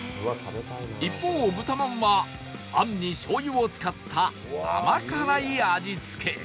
一方豚まんはあんに醤油を使った甘辛い味付け